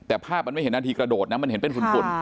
แต่ภาพมันไม่เห็นนาทีกระโดดนะมันเห็นเป็นฝุ่น